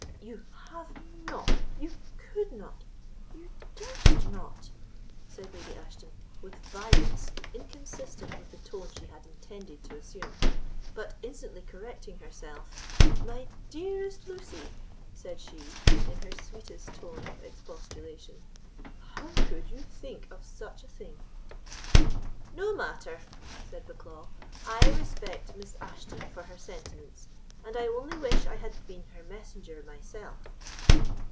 "You have not—you could not—you durst not," said Lady Ashton, with violence inconsistent with the tone she had intended to assume; but instantly correcting herself, "My dearest Lucy," said she, in her sweetest tone of expostulation, "how could you think of such a thing?" "No matter," said Bucklaw; "I respect Miss Ashton for her sentiments, and I only wish I had been her messenger myself."